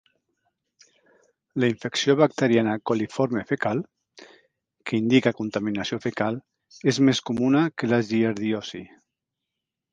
La infecció bacteriana coliforme fecal, que indica contaminació fecal, és més comuna que la giardiosi.